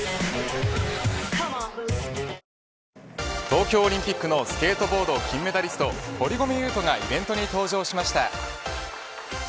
東京オリンピックのスケートボード金メダリスト堀米雄斗がイベントに登場しました。